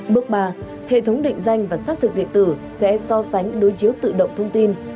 bước ba hệ thống định danh và xác thực điện tử sẽ so sánh đối chiếu tự động thông tin